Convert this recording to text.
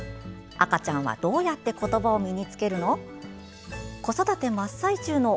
赤ちゃんはどうやって言葉を身につけるの？